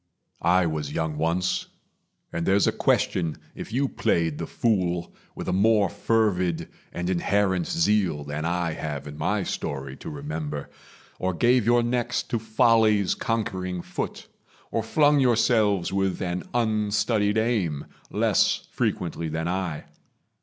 I was young once; And there's a question if you played the fool With a more fervid and inherent zeal Than I have in my story to remember, Or gave your necks to folly's conquering foot, Or flung yourselves with an unstudied aim, Less frequently than I.